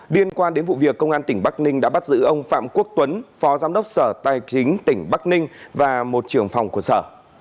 liên quan đến vụ việc công an tỉnh bắc ninh đã bắt giữ ông phạm quốc tuấn phó giám đốc sở tài chính tỉnh bắc ninh và một trưởng phòng của sở